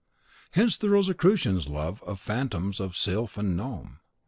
Hence the Rosicrucian's lovely phantoms of sylph and gnome.